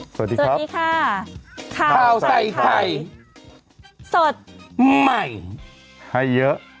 สวัสดีครับสวัสดีค่ะขาวใส่ไข่สดใหม่ให้เยอะ